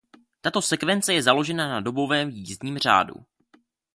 Tato sekvence je založena na dobovém jízdním řádu.